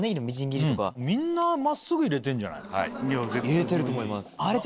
入れてると思います。